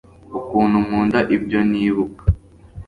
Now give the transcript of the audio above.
ukuntu nkunda ibyo nibuka